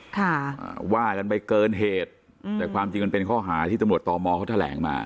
ว่าอย่างนั้นไม่เกินเหตุแต่ความจริงมันเป็นข้อหาที่ตำรวจตอบหมอเขาแถลงมา